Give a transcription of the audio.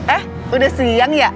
eh udah siang ya